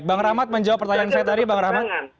bang rahmat menjawab pertanyaan saya tadi bang rahmat